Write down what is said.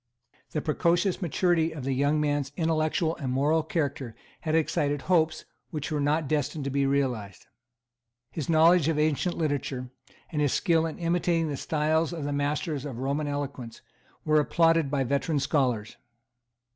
The precocious maturity of the young man's intellectual and moral character had excited hopes which were not destined to be realized. His knowledge of ancient literature, and his skill in imitating the styles of the masters of Roman eloquence, were applauded by veteran scholars.